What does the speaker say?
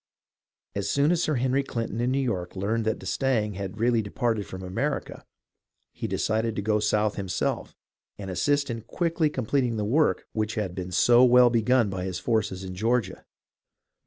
As soon as Sir Henry CHnton in New York learned that d'Estaing had really departed from America, he decided to go South himself and assist in quickly completing the work which had been so well begun by his forces in Georgia.